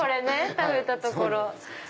食べたところ。